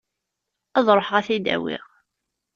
Ad ruḥeɣ ad t-id-awiɣ.